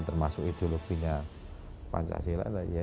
termasuk ideologinya pancasila